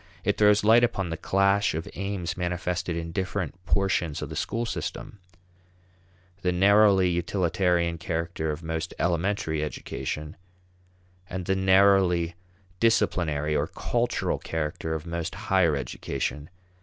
It throws light upon the clash of aims manifested in different portions of the school system; the narrowly utilitarian character of most elementary education, and the narrowly disciplinary or cultural character of most higher education.